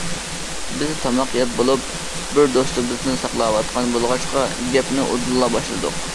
بىز تاماق يەپ بولۇپ، بىر دوستىمىزنى ساقلاۋاتقان بولغاچقا، گەپنى ئۇدۇللا باشلىدۇق.